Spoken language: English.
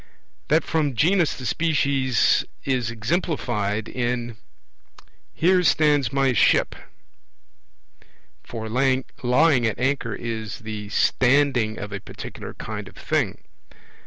That from genus to species is eXemplified in 'Here stands my ship'; for lying at anchor is the 'standing' of a particular kind of thing.